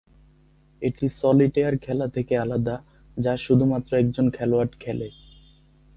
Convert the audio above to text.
এটি সলিটেয়ার খেলা থেকে আলাদা, যা শুধুমাত্র একজন খেলোয়াড় খেলে।